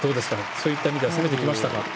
そういった意味では攻めてきましたか？